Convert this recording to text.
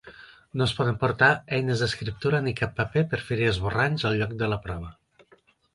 No es poden portar eines d'escriptura ni cap paper per fer-hi esborranys al lloc de la prova.